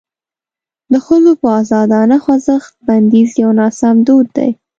د ښځو پر ازادانه خوځښت بندیز یو ناسم دود دی.